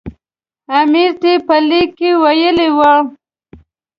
امیر ته په لیک کې ویلي وو.